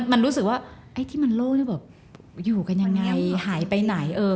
มันรู้สึกว่าที่มันโล่งอยู่กันยังไงหายไปไหน